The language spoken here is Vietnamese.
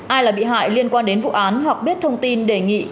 ai là bị hại liên quan đến vụ án hoặc biết thông tin đề nghị